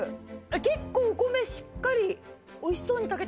結構お米しっかり美味しそうに炊けてます。